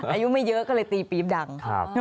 อายุไม่เยอะก็เลยตีปี๊บดัง